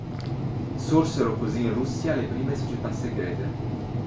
Sorsero così in Russia le prime società segrete.